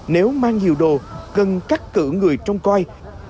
nếu mang nhiều đồ cần cắt cử người trông coi